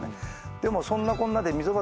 でもそんなこんなで。